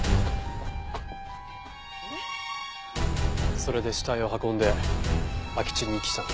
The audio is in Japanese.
それで死体を運んで空き地に遺棄したのか。